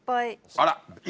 あら。